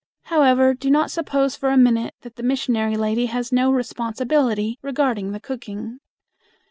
However, do not suppose for a minute that the missionary lady has no responsibility regarding the cooking.